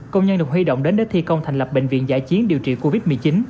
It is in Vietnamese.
công nhân được huy động đến để thi công thành lập bệnh viện giải chiến điều trị covid một mươi chín